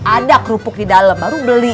ada kerupuk di dalam baru beli